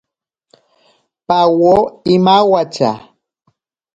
Pawo imawatya.